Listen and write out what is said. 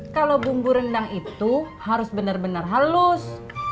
kalau bumbu rendang itu harus benar benar halus